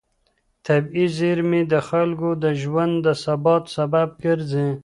طبیعي زېرمې د خلکو د ژوند د ثبات سبب ګرځي.